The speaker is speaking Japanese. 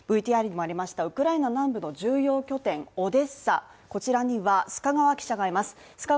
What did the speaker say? ＶＴＲにもありましたウクライナ南部の重要拠点オデッサ、こちらには須賀川記者がいます